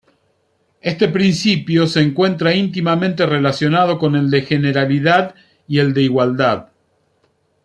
Este principio se encuentra íntimamente relacionado con el de generalidad y el de igualdad.